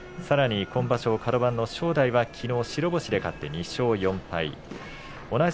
さらに今場所カド番の正代はきのう白星で勝って２勝４敗。